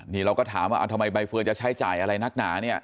นี่เราก็ถามว่าทำไมใบเฟิร์นจะใช้จ่ายอะไรนักหนาเนี่ย